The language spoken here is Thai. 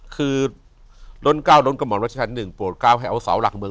คือล้นเก้าล้นกะหมอนวัชฌาชน์๑โปรดเก้าให้เอาเสาหลักเมือง